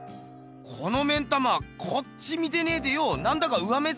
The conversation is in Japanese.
この目ん玉こっち見てねえでよなんだか上目づかいだな。